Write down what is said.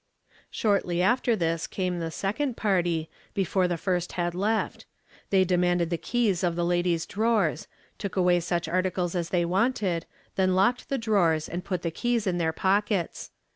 Shortly after this came the second party, before the first had left. They demanded the keys of the ladies' drawers, took away such articles as they wanted, then locked the drawers and put the keys in their pockets.